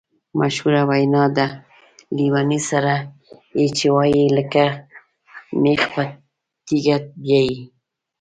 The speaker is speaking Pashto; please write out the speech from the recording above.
مشهوره وینا ده: لېوني سره یې چې وایې لکه مېخ په تیګه بیایې.